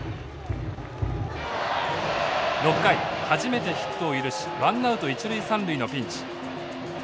６回初めてヒットを許しワンナウト一塁三塁のピンチ。